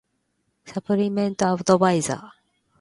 サプリメントアドバイザー